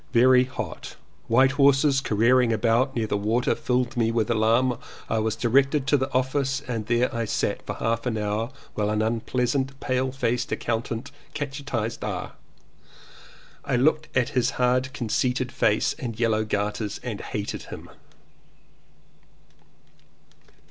Very hot. White horses careering about near the water filled me with alarm. I was directed to the ofiftce and there I sat for half an hour while an unpleasant pale faced accountant cate chised R. I looked at his hard conceited face and yellow gaiters and hated him.